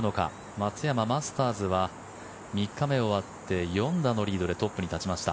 松山、マスターズは３日目終わって４打のリードでトップに立ちました。